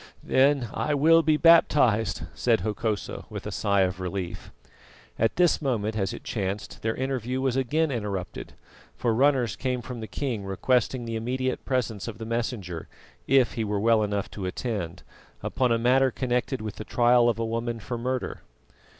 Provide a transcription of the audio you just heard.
"Then I will be baptised," said Hokosa with a sigh of relief. At this moment, as it chanced, their interview was again interrupted, for runners came from the king requesting the immediate presence of the Messenger, if he were well enough to attend, upon a matter connected with the trial of a woman for murder.